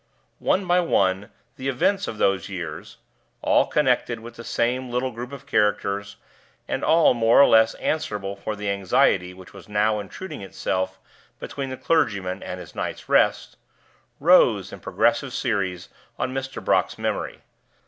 One by one the events of those years all connected with the same little group of characters, and all more or less answerable for the anxiety which was now intruding itself between the clergyman and his night's rest rose, in progressive series, on Mr. Brock's memory.